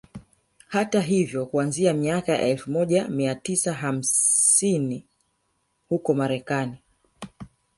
Hata hivyo kuanzia miaka ya elfu moja mia tisa hamaini huko Marekani